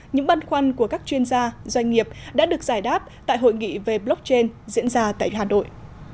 những băn khoăn của các chuyên gia doanh nghiệp đã được giải đáp tại hội nghị về blockchain diễn ra tại hà nội